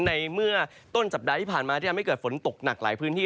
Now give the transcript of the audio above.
ในเมื่อต้นสัปดาห์ที่ผ่านมาที่ทำให้เกิดฝนตกหนักหลายพื้นที่